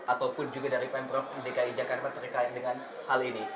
ataupun juga dari pemprov dki jakarta terkait dengan hal ini